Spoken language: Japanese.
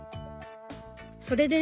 それでね